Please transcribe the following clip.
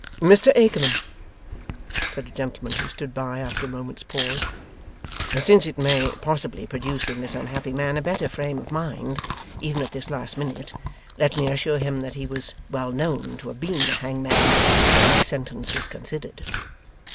'Mr Akerman,' said a gentleman who stood by, after a moment's pause, 'since it may possibly produce in this unhappy man a better frame of mind, even at this last minute, let me assure him that he was well known to have been the hangman, when his sentence was considered.